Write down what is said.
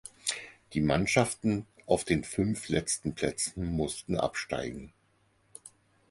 Die Mannschaften auf den fünf letzten Plätzen mussten absteigen.